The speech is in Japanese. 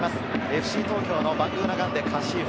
ＦＣ東京のバングーナガンデ佳史扶。